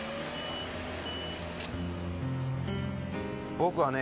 僕はね